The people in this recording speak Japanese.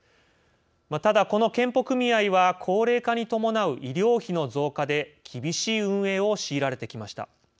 ただ、この健保組合は高齢化に伴う医療費の増加で厳しい運営を強いられてきました。